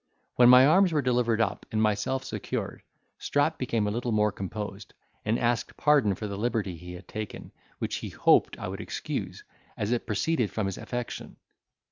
When my arms were delivered up, and myself secured, Strap became a little more composed, and asked pardon for the liberty he had taken, which he hoped I would excuse, as it proceeded from his affection.